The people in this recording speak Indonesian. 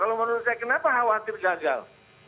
kalau menurut saya kenapa khawatir gagal